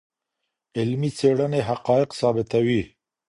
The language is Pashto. علمي څېړني حقایق ثابتوي.